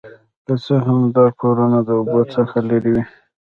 که څه هم دا کورونه د اوبو څخه لرې وي